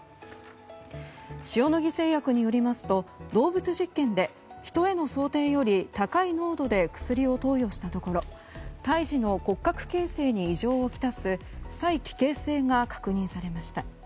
塩野義製薬によりますと動物実験でヒトへの想定より高い濃度で薬を投与したところ胎児の骨格形成に異常をきたす催奇形性が確認されました。